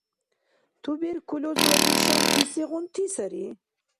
Туберкулезла лишанти сегъунти сари?